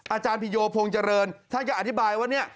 อาจารย์พิโยพงเจริญท่านจะอธิบายว่า